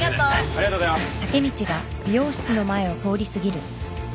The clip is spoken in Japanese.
・ありがとうございます。